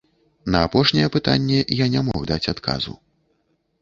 На апошняе пытанне я не мог даць адказу.